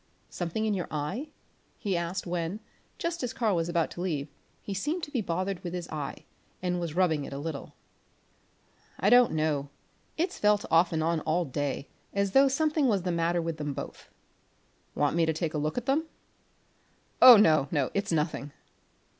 "Something in your eye?" he asked when, just as Karl was about to leave, he seemed to be bothered with his eye, and was rubbing it a little. "I don't know. It's felt off and on all day as though something was the matter with them both." "Want me to take a look at them?" "Oh no no, it's nothing."